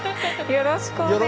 よろしくお願いします。